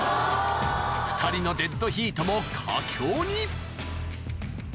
２人のデッドヒートも佳境に・